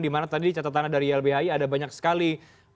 di mana tadi catatannya dari ylbhi ada banyak sekali